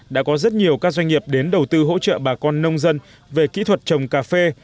đã có rất nhiều các doanh nghiệp đến đầu tư hỗ trợ bà con nông dân về kỹ thuật trồng cà phê